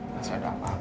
res saya dapet